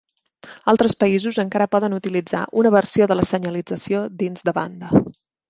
Altres països encara poden utilitzar una versió de la senyalització dins de banda.